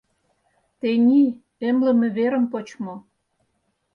Тений эмлыме верым почмо.